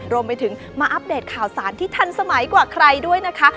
รวมไปถึงมาอัปเดตข่าวสารที่ทันสมัยกว่าใครด้วยนะคะ